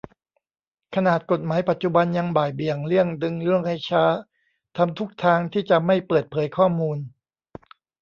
ขนาดกฎหมายปัจจุบัน ยังบ่ายเบี่ยง เลี่ยง ดึงเรื่องให้ช้า ทำทุกทางที่จะไม่เปิดเผยข้อมูล